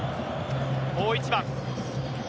大一番。